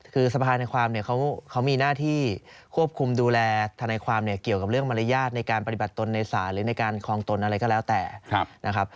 คือสภาในความเนี่ยเขามีหน้าที่ควบคุมดูแลธนายความเนี่ยเกี่ยวกับเรื่องมารยาทในการปฏิบัติตนในศาลหรือในการคลองตนอะไรก็แล้วแต่นะครับ